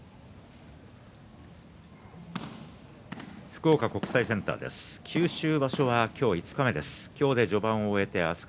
福岡国際センターです。